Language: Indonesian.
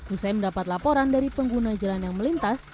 usai mendapat laporan dari pengguna jalan yang melintas